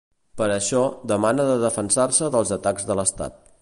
Per això, demana de defensar-se dels atacs de l’estat.